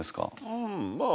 うんまあ